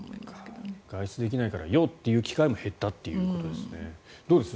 外出できないからよっ！という機会も減ったということですよね。